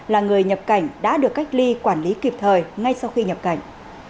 là người nhập cảnh đã được cách ly quản lý kịp thời ngay sau khi nhập cảnh